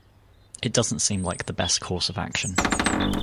It doesn’t seem like the best course of action.